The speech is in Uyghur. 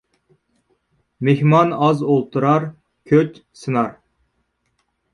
مېھمان ئاز ئولتۇرار، كۆچ سىنار.